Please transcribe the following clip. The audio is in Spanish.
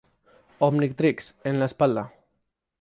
Omnitrix: En la espalda.